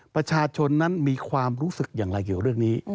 ประชาชนนั้นมีความรู้สึกอย่างไรเกี่ยวเรื่องนี้